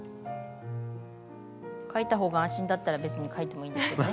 描いたほうが安心だったら別に描いてもいいんですけどね。